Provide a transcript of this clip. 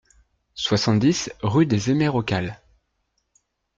soixante-dix rue des Hémérocalles